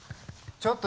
ちょっと！